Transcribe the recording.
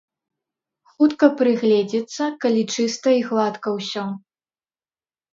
Хутка прыгледзіцца, калі чыста й гладка ўсё.